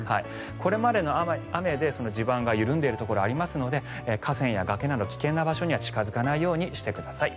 これまでの雨で地盤が緩んでいるところがありますので河川や崖など危険な場所には近付かないようにしてください。